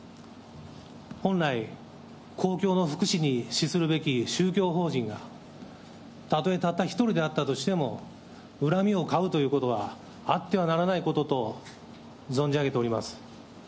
本来、公共の福祉に資するべき宗教法人が、たとえたった一人であったとしても、恨みを買うということは、あってはならないことと存じ上げております。